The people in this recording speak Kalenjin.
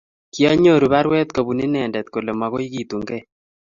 Kianyoru parwet kobun inendet kole makoy kitunkei.